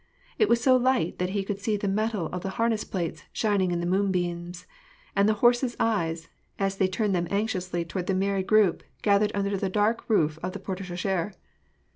It was so light that he could see the metal of the harness plates shining in the moonbeams, and the horses' eyes, as they turned them anxiouslv toward the merry group gathered under the dark roof of the porte cochere.